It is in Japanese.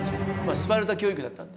スパルタ教育だったんで。